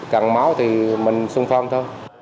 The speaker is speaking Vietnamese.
cần máu thì mình xuân phong thôi